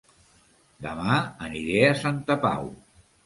Dema aniré a Santa Pau